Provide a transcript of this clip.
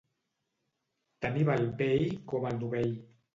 Tant hi va el vell com el novell.